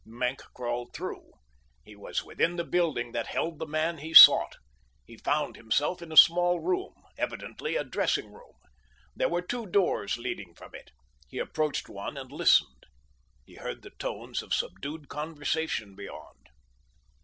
Maenck crawled through. He was within the building that held the man he sought. He found himself in a small room—evidently a dressing room. There were two doors leading from it. He approached one and listened. He heard the tones of subdued conversation beyond.